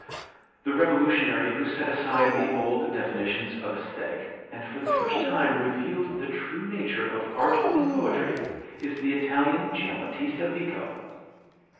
The revolutionary who set aside the old definitions of Aesthetic, and for the first time revealed the true nature of art and poetry, is the Italian, Giambattista Vico.